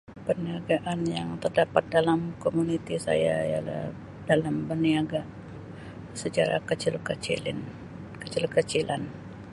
Perniagaan yang terdapat dalam komuniti saya ialah dalam berniaga secara kecil-kecilin kecil-kecilan.